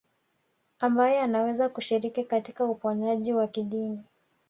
Ambaye anaweza kushiriki katika uponyaji wa kidini